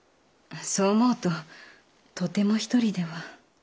そう思うととても１人では。